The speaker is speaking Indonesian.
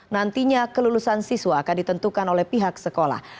nantinya kelulusan siswa akan ditentukan oleh pihak sekolah